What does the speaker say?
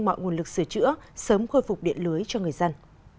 mọi nguồn lực sửa chữa sớm khôi phục điện lưới cho người dân